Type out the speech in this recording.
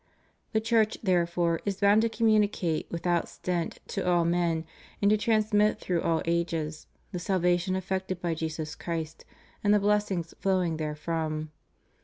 ^ The Church, therefore,"" is bound to communicate without stint to all men, and to transmit through all ages, the salvation effected by Jesus Christ, and the blessings flowing therefrom.